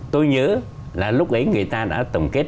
tôi nhớ là lúc ấy người ta đã tổng kết